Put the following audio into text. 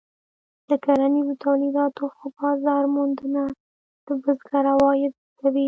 د کرنیزو تولیداتو ښه بازار موندنه د بزګر عواید زیاتوي.